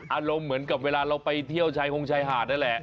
อารมณ์เหมือนกับเวลาเราไปเที่ยวชายฮงชายหาดนั่นแหละ